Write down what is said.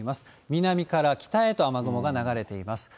南から北へと雨雲が流れています。